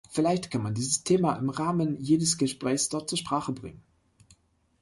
Vielleicht kann man dieses Thema im Rahmen jedes Gesprächs dort zur Sprache bringen!